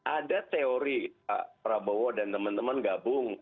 ada teori pak prabowo dan teman teman gabung